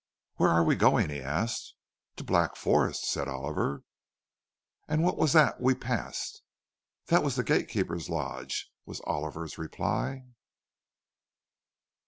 "Where are we going?" he asked. "To 'Black Forest,'" said Oliver. "And what was that we passed?" "That was the gate keeper's lodge," was Oliver's reply.